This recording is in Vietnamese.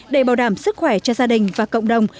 để bảo đảm sức khỏe cho gia đình và cộng đồng